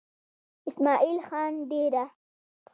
اسمعيل خان ديره